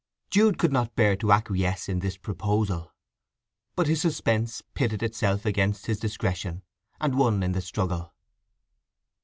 Jude could not bear to acquiesce in this proposal; but his suspense pitted itself against his discretion, and won in the struggle.